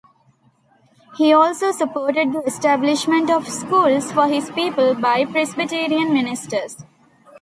He also supported the establishment of schools for his people by Presbyterian ministers.